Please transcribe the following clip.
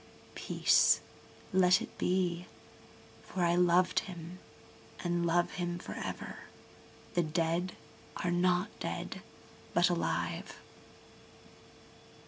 —Peace, let it be! for I loved him, and love him for ever: the dead are not dead but alive.